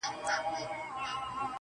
چي يوه لپه ښكلا يې راته راكړه,